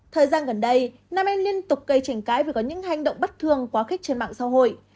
thời gian gần đây nam em liên tục gây trành cái vì có những hành động bất thường quá khích trên mạng xã hội